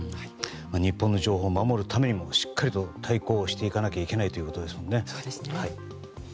日本の情報を守るためにもしっかりと対抗していかなきゃいけないということですね。